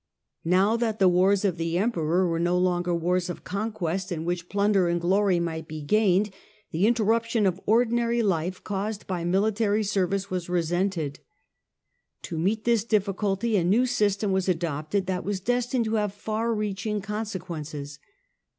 Now that the wars of the Emperor were no longer wars of conquest, in which plunder and glory might be gained, the interruption of ordinary life caused by military ser vice was resented. To meet this difficulty anew system was adopted that was destined to have far reaching con sequences.